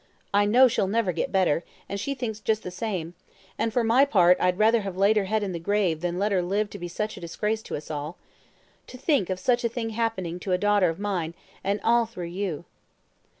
I know she'll never get better, and she thinks just the same; and for my part I'd rather have laid her head in the grave than let her live to be such a disgrace to us all. To think of such a thing happening to a daughter of mine, and all through you.'